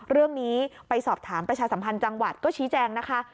เรื่องนี้ไปสอบถามประชาสัมพันธ์จังหวัดก็ชี้แจงนะคะ